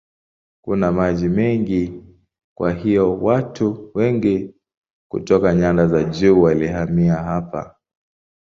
Kuna maji mengi kwa hiyo watu wengi kutoka nyanda za juu walihamia hapa.